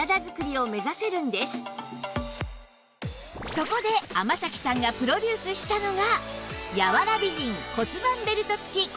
そこで天咲さんがプロデュースしたのが